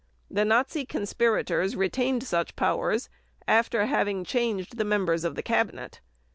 The Nazi conspirators retained such powers after having changed the members of the cabinet.